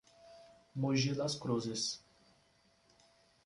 Moji Das Cruzes